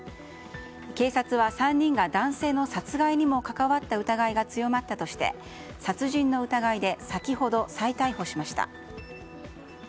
警察は、３人が男性の殺害にも関わった疑いが強まったとして殺人の疑いで先ほど再逮捕しました。